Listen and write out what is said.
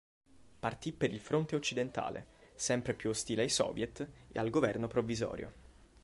Partì per il fronte occidentale, sempre più ostile ai soviet e al governo provvisorio.